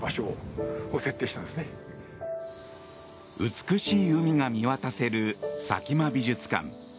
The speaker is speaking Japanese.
美しい海が見渡せる佐喜眞美術館。